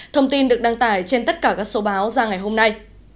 thông tin được đăng tải trên tất cả các số báo ra ngày hôm nay